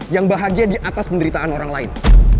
yang bahagia di atas penderitaan orang lain